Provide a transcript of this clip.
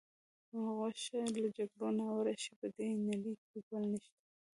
غوږ شه، له جګړې ناوړه شی په دې نړۍ کې بل نشته.